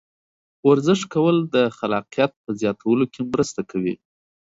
ورزش کول د خلاقیت په زیاتولو کې مرسته کوي.